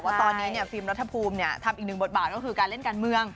ว่าตอนนี้ฟิล์มรัฐภูมิทำอีกหนึ่งบทบาทก็คือการเล่นการเมือง